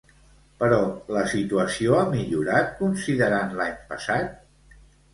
Però, la situació ha millorat considerant l'any passat?